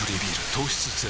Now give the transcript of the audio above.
糖質ゼロ